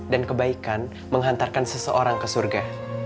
dan kebaikan menghantarkan seseorang ke surga